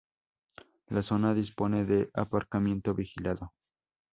La zona dispone de aparcamiento vigilado.